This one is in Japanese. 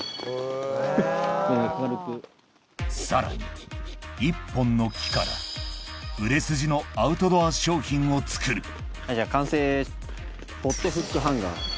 さらに１本の木から売れ筋のアウトドア商品を作るはいじゃあ完成。